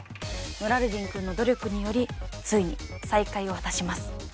ノラルディンくんの努力によりついに再会を果たします。